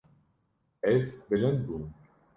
Ez bilind bûm.